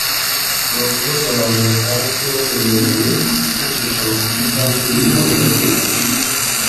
ni ukuvuga abantu basanzwe bamenyereye kwicisha bugufi kandi bifuza kwigishwa,